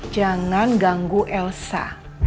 jangan ganggu elsa